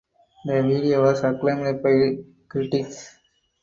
The video was acclaimed by critics.